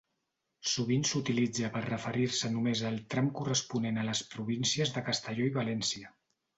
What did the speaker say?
Sovint s'utilitza per referir-se només al tram corresponent a les províncies de Castelló i València.